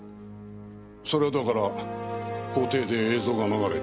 それはだから法廷で映像が流れて。